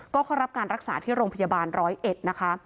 ก็เข้ารับการรักษาที่โรงพยาบาลร้อยเอ็ดนะคะ